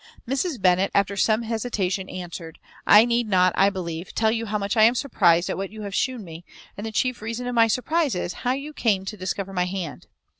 Mrs. Bennet, after some hesitation, answered, "I need not, I believe, tell you how much I am surprized at what you have shewn me; and the chief reason of my surprize is, how you came to discover my hand.